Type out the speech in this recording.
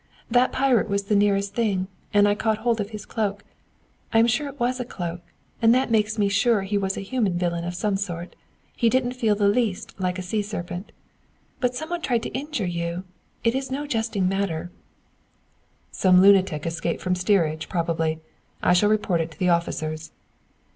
That pirate was the nearest thing, and I caught hold of his cloak; I'm sure it was a cloak, and that makes me sure he was a human villain of some sort. He didn't feel in the least like a sea serpent. But some one tried to injure you it is no jesting matter " "Some lunatic escaped from the steerage, probably. I shall report it to the officers."